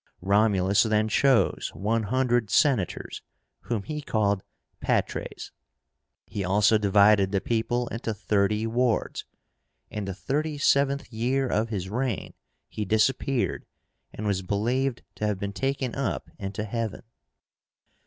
Romulus then chose one hundred Senators, whom he called PATRES. He also divided the people into thirty wards. In the thirty seventh year of his reign he disappeared, and was believed to have been taken up into heaven.